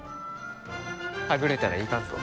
はぐれたらいかんぞ。